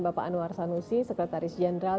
bapak anwar sanusi sekretaris jenderal